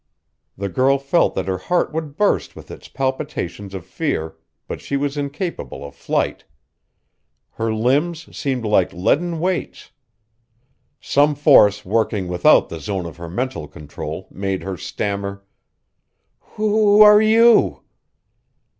The girl felt that her heart would burst with its palpitations of fear, but she was incapable of flight. Her limbs seemed like leaden weights. Some force working without the zone of her mental control made her stammer: "W w ho are you?"